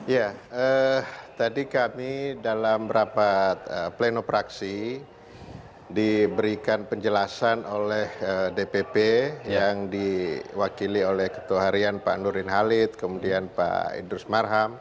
ya tadi kami dalam rapat pleno praksi diberikan penjelasan oleh dpp yang diwakili oleh ketua harian pak nurdin halid kemudian pak idrus marham